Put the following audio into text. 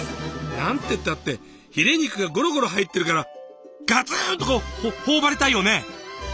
なんてったってヒレ肉がゴロゴロ入ってるからガツンとこう頬張りたいよね。